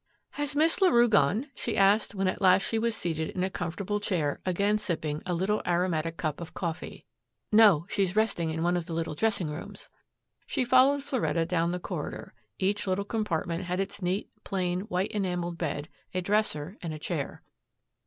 "Has Miss Larue gone?" she asked when at last she was seated in a comfortable chair again sipping a little aromatic cup of coffee. "No, she's resting in one of the little dressing rooms." She followed Floretta down the corridor. Each little compartment had its neat, plain white enameled bed, a dresser and a chair.